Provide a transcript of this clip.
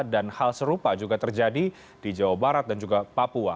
dan hal serupa juga terjadi di jawa barat dan juga papua